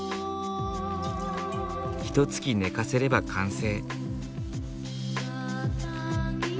ひとつき寝かせれば完成。